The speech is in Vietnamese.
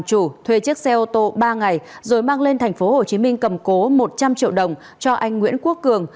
chủ thuê chiếc xe ô tô ba ngày rồi mang lên tp hcm cầm cố một trăm linh triệu đồng cho anh nguyễn quốc cường